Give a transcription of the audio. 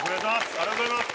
ありがとうございます！